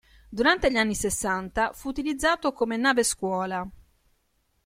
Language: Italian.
Durante gli anni sessanta, fu utilizzato come nave scuola.